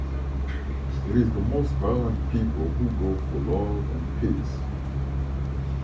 It is the most violent people who go for love and peace.